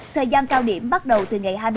thời gian cao điểm bắt đầu từ ngày hai mươi